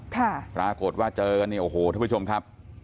ปรากฏว่าเจอกันเนี่ยโอ้โหทุกผู้ชมครับ